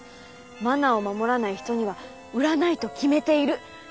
「マナー」を守らない人には売らないと決めているですって。